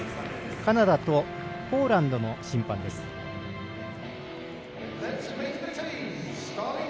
カナダとポーランドの審判です。